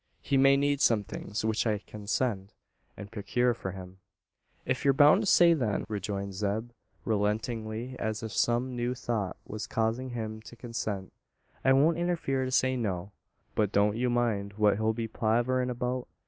He may need some things which I can send, and procure for him." "Ef ye're boun' to stay then," rejoined Zeb, relentingly, as if some new thought was causing him to consent, "I won't interfere to say, no. But don't you mind what he'll be palaverin' about.